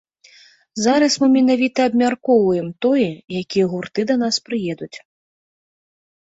Зараз мы менавіта абмяркоўваем тое, якія гурты да нас прыедуць.